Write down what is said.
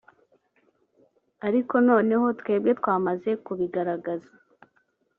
Ariko noneho twebwe twamaze kubigaragaza